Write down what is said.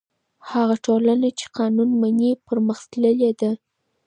هغه ټولنه چې قانون مني پرمختللې ده.